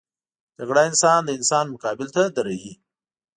جګړه انسان د انسان مقابل ته دروي